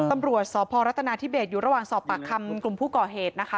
ตำรวจสพรัฐนาธิเบสอยู่ระหว่างสอบปากคำกลุ่มผู้ก่อเหตุนะคะ